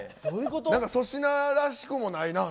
なんか粗品らしくもないな。